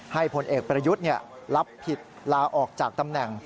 พลเอกประยุทธ์รับผิดลาออกจากตำแหน่ง